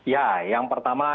ya yang pertama